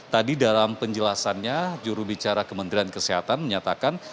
tadi dalam penjelasannya jurubicara kementerian kesehatan menyatakan